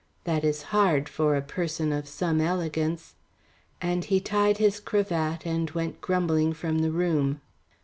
That is hard for a person of some elegance," and he tied his cravat and went grumbling from the room.